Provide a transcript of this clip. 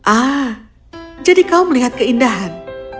ah jadi kau melihat keindahan